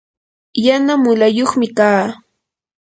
yana mulayuqmi kaa.